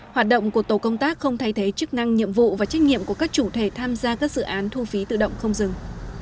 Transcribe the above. hoạt động của tổ công tác không thay thế chức năng nhiệm vụ và trách nhiệm của các chủ thể tham gia các dự án thu phí tự động không dừng